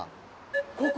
ここ！